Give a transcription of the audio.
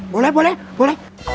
boleh boleh boleh